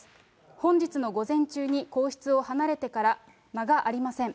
本日の午前中に皇室を離れてから間がありません。